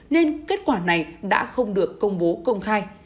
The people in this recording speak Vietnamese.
nên kết quả này đã không được công bố công khai